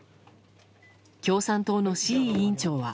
共産党の志位委員長は。